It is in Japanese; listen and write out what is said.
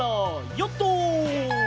ヨット！